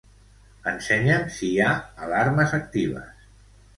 Ensenya'm si hi ha alarmes actives.